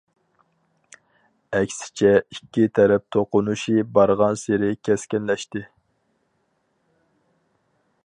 ئەكسىچە ئىككى تەرەپ توقۇنۇشى بارغانسېرى كەسكىنلەشتى.